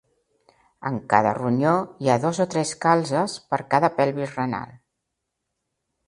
En cada ronyó hi ha dos o tres calzes per cada pelvis renal.